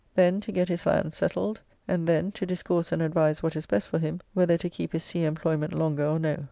Then, to get his land settled; and then to, discourse and advise what is best for him, whether to keep his sea employment longer or no.